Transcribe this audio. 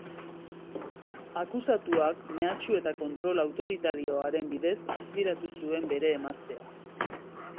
Akusatuak mehatxu eta kontrol autoritarioaren bidez azpiratu zuen bere emaztea.